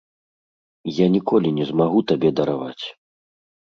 Я ніколі не змагу табе дараваць.